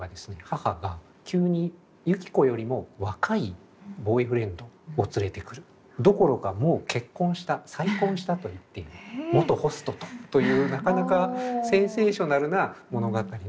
母が急に雪子よりも若いボーイフレンドを連れてくるどころかもう結婚した再婚したと言って元ホストとというなかなかセンセーショナルな物語の転がり方で始まるんです。